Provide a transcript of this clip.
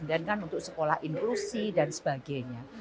dan kan untuk sekolah inklusi dan sebagainya